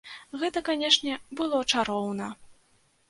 Гэта, канешне, было чароўна!